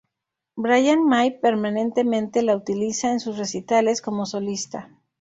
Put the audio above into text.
Brian May permanentemente la utiliza en sus recitales como solista.